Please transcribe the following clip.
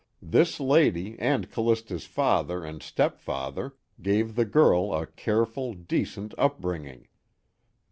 This lady, and Callista's father and stepfather, gave the girl a careful, decent upbringing.